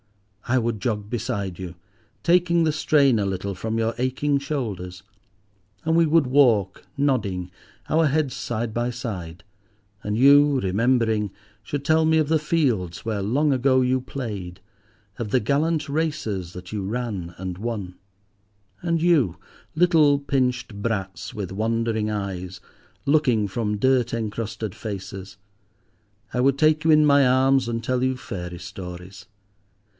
I would jog beside you, taking the strain a little from your aching shoulders; and we would walk nodding, our heads side by side, and you, remembering, should tell me of the fields where long ago you played, of the gallant races that you ran and won. And you, little pinched brats, with wondering eyes, looking from dirt encrusted faces, I would take you in my arms and tell you fairy stories.